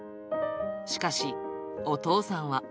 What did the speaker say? しかし、お父さんは。